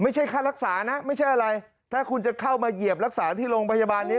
ค่ารักษานะไม่ใช่อะไรถ้าคุณจะเข้ามาเหยียบรักษาที่โรงพยาบาลนี้